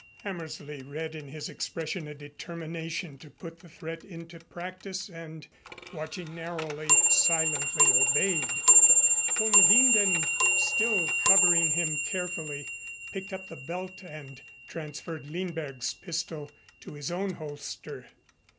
Hammersley read in his expression a determination to put the threat into practice and, watching narrowly, silently obeyed. Von Winden, still covering him carefully, picked up the belt and transferred Lindberg's pistol to his own holster.